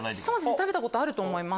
食べたことあると思います。